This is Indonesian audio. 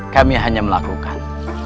kami hanya melakukan